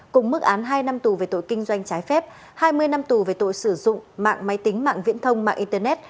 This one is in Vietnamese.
cùng mức án hai năm tù về tội kinh doanh trái phép hai mươi năm tù về tội sử dụng mạng máy tính mạng viễn thông mạng internet